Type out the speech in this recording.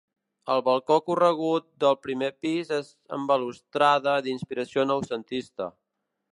El balcó corregut del primer pis és amb balustrada d'inspiració Noucentista.